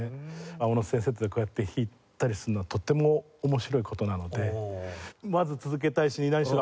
小野先生とこうやって弾いたりするのとっても面白い事なのでまず続けたいし何しろ